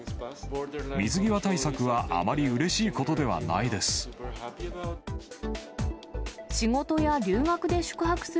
水際対策はあまりうれしいことではないです。